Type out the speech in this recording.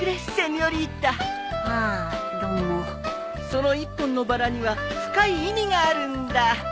その１本のバラには深い意味があるんだ。